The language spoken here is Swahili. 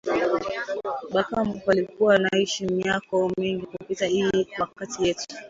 Ba kambo balikuwa naishi myaka mingi kupita iyi wakati yetu